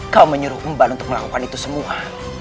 kau menyuruh emban untuk melakukan itu semua